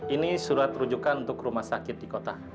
ini surat rujukan untuk rumah sakit di kota